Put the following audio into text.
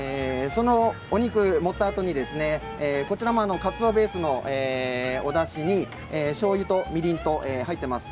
そのお肉を盛ったあとにこちらもかつおベースのおだしにしょうゆとみりんと入ってます。